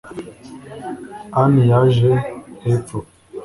ann yaje hepfo